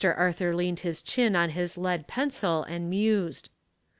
Arthur leaned his chin on his lead pencil, and mused.